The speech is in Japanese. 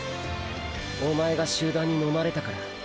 おまえが集団にのまれたから。